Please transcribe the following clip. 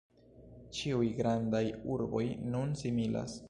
Ĉiuj grandaj urboj nun similas.